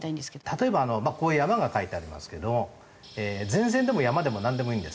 例えばこういう山が描いてありますけど前線でも山でもなんでもいいんです。